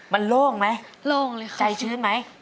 มันโล่งไหมโล่งเลยค่ะใจชื้นไหม